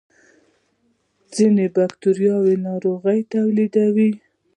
ځینې بکتریاوې ناروغۍ تولیدوي